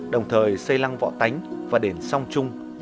đồng thời xây lăng võ tánh và đền song trung